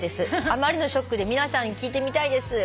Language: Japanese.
「あまりのショックで皆さんに聞いてみたいです」